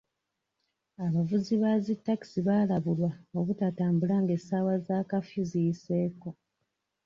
Abavuzi ba zi takisi baalabulwa obutatambula ng'essaawa za kaafiyu ziyiseeko.